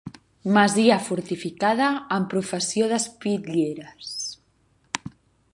Masia fortificada amb profusió d'espitlleres.